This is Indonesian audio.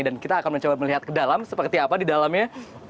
dan kita akan mencoba melihat ke dalam seperti apa di dalamnya